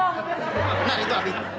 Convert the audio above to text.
wah bener itu abi